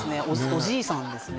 おじいさんですね